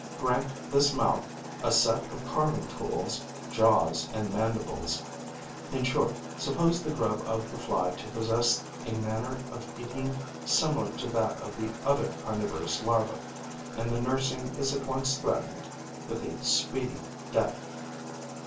Grant this mouth a set of carving tools, jaws and mandibles; in short, suppose the grub of the Fly to possess a manner of eating similar to that of the other carnivorous larvae; and the nursling is at once threatened with a speedy death.